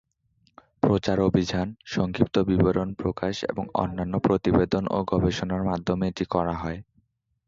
প্রচার অভিযান, সংক্ষিপ্ত বিবরণ প্রকাশ এবং অন্যান্য প্রতিবেদন ও গবেষণার মাধ্যমে এটি করা হয়।